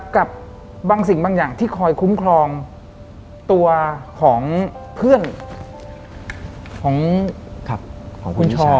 กับบางสิ่งบางอย่างที่คอยคุ้มครองตัวของเพื่อนของคุณชอ